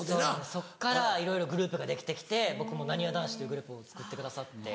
そっからいろいろグループができて来て僕もなにわ男子というグループを作ってくださって。